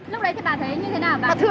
lúc đấy thì bà thấy như thế nào